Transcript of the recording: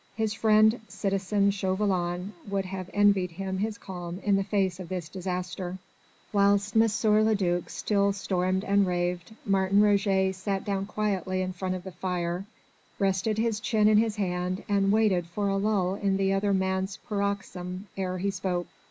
His friend, citizen Chauvelin, would have envied him his calm in the face of this disaster. Whilst M. le duc still stormed and raved, Martin Roget sat down quietly in front of the fire, rested his chin in his hand and waited for a lull in the other man's paroxysm ere he spoke.